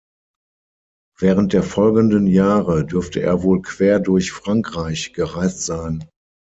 Während der folgenden Jahre dürfte er wohl quer durch Frankreich gereist sein.